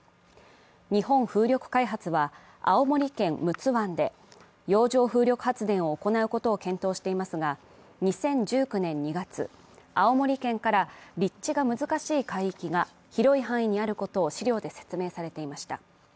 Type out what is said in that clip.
日本風力開発は青森県陸奥湾で洋上風力発電を行うことを検討していますが、２０１９年２月、青森県から立地が難しい海域が広い範囲にあることを資料で説明されていました。